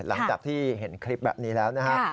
หลังจากที่เห็นคลิปแบบนี้แล้วนะฮะ